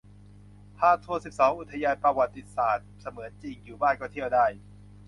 พาทัวร์ สิบสอง อุทยานประวัติศาสตร์เสมือนจริง อยู่บ้านก็เที่ยวได้